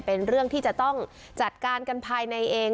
เป็นเรื่องที่จะต้องจัดการกันภายในเอง